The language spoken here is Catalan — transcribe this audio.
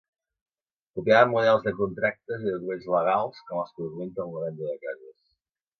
Copiaven models de contractes i documents legals com els que documenten la venda de cases.